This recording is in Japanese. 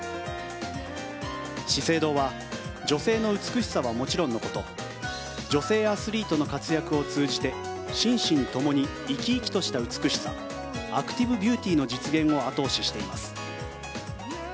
資生堂は女性の美しさはもちろんのこと女性アスリートの活躍を通じて心身ともに生き生きとした美しさアクティブビューティーの実現を後押ししています。